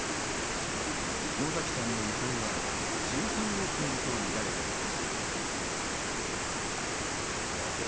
野崎さんの遺産は１３億円とみられています。